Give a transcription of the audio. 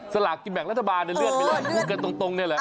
สลากกินแบ่งรัฐบาลเนี่ยเลื่อนไปแล้วพูดกันตรงนี่แหละ